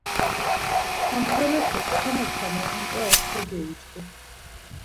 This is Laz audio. ham ndğalepes tamo tamo onç̌arus kogeiçǩu.